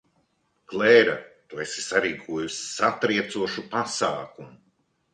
Klēra, tu esi sarīkojusi satriecošu pasākumu.